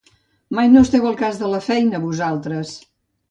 Mai no esteu al cas de la feina, vosaltres!